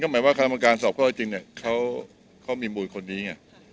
หมายว่าคำการสอบข้อจริงเนี่ยเขามีมูลคนนี้ไง